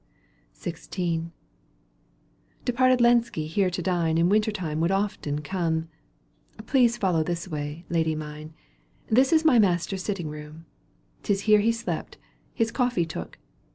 XVI. " Departed Lenski here to diue In winter time would often come. Please follow this way, lady mine, This is my master's sitting room. 'Tis here he slept, his coffee took.